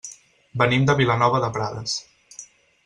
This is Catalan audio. Venim de Vilanova de Prades.